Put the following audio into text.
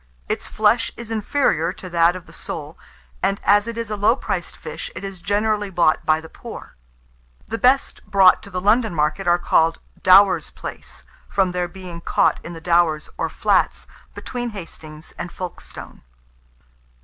Its flesh is inferior to that of the sole, and, as it is a low priced fish, it is generally bought by the poor. The best brought to the London market are called Dowers plaice, from their being caught in the Dowers, or flats, between Hastings and Folkstone.